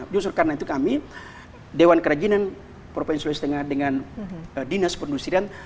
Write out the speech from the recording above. justru karena itu kami dewan kerajinan provinsi sulawesi tengah dengan dinas pendustrian